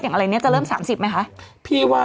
อย่างอะไรนี้จะเริ่ม๓๐ไหมคะ